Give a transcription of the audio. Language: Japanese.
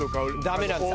ダメなんです。